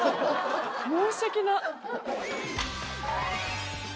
申し訳なっ。